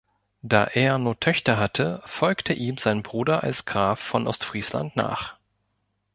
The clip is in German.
Da er nur Töchter hatte, folgte ihm sein Bruder als Graf von Ostfriesland nach.